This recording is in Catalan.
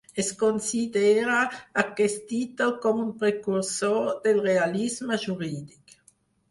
Es considera aquest títol com un precursor del realisme jurídic.